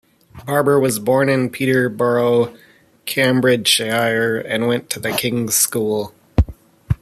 Barber was born in Peterborough, Cambridgeshire, and went to The King's School.